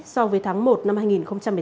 so với tháng một năm hai nghìn một mươi tám